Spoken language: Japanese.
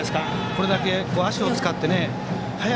これだけ足を使ってね。